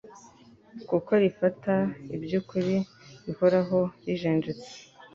kuko rifata iby'ukuri bihoraho rijenjetse.